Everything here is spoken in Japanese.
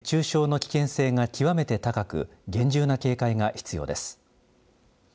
熱中症の危険性が極めて高く厳重な警戒が必要です。